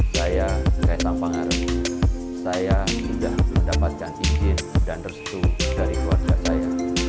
saya saya sampengaruhi saya sudah mendapatkan izin dan restu dari keluarga saya